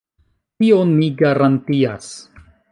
Tion mi garantias.